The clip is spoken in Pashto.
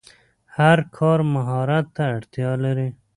هر کار مهارت ته اړتیا لري.